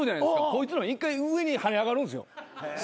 こいつの一回上に跳ね上がるんですよ。